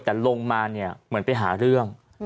แต่ลงมาเหมือนไปหาเรื่อง